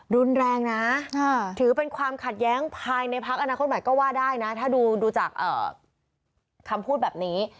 รุนแรงนะถือเป็นความขัดแย้งภายในพักอนาคตใหม่ก็ว่าได้นะถ้าดูจากคำพูดแบบนี้